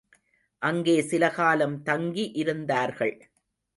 அங்கே சிலகாலம் தங்கி இருந்தார்கள்.